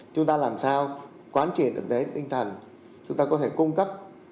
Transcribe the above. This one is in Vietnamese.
chúng ta làm sao quán triển được đến tinh thần chúng ta có thể cung cấp